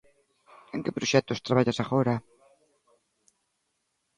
En que proxectos traballas agora?